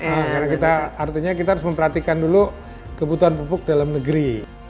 karena kita artinya kita harus memperhatikan dulu kebutuhan pupuk dalam negeri